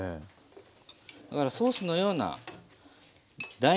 だからソースのような第２